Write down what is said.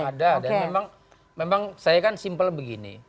ada dan memang saya kan simple begini